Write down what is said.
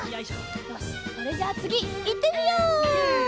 よしそれじゃあつぎいってみよう！